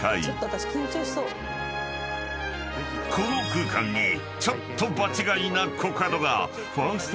［この空間にちょっと場違いなコカドが］